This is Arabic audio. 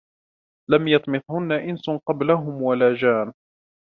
لَمْ يَطْمِثْهُنَّ إِنسٌ قَبْلَهُمْ وَلا جَانٌّ